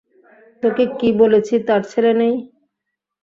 তোকে কি বলেছি তার ছেলে নেই?